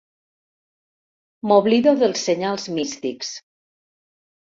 M'oblido dels senyals místics.